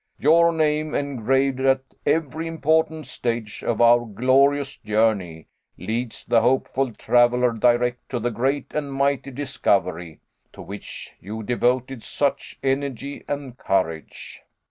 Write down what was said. Your name engraved at every important stage of your glorious journey leads the hopeful traveler direct to the great and mighty discovery to which you devoted such energy and courage.